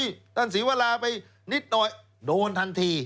อุ๊ยตั้งสีวัลลาไปนิดหน่อยโดนทันที